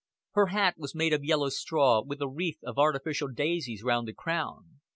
Her hat was made of yellow straw, with a wreath of artificial daisies round the crown.